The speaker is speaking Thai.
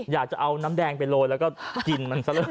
อยากจะเอาน้ำแดงไปโรยแล้วก็กินมันซะเลย